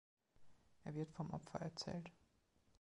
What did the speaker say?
Er wird vom Opfer erzählt.